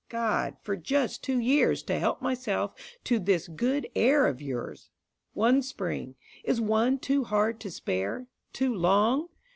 God! For just two years To help myself to this good air of yours! One Spring! Is one too hard to spare? Too long?